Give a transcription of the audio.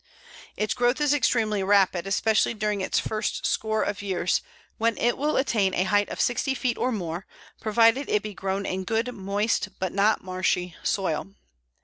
Its growth is extremely rapid, especially during its first score of years, when it will attain a height of sixty feet or more, provided it be grown in good, moist (but not marshy) soil.